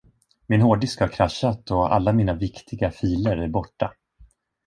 Min hårddisk har kraschat och alla mina viktiga filer är borta.